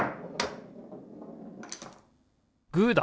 グーだ！